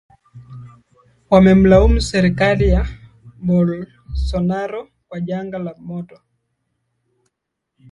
wamemlaumu serikali ya Bolsonaro kwa janga la moto